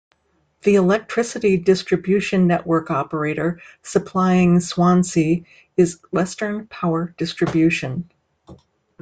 The electricity distribution network operator supplying Swansea is Western Power Distribution.